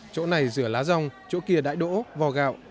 chỗ này rửa lá rong chỗ kia đại đỗ vò gạo